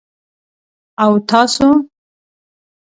_او تاسو؟